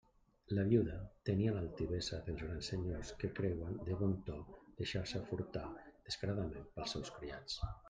La viuda tenia l'altivesa dels grans senyors que creuen de bon to deixar-se furtar descaradament pels seus criats.